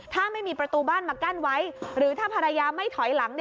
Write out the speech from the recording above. ถ้าไม่มีประตูบ้านมากั้นไว้หรือถ้าภรรยาไม่ถอยหลัง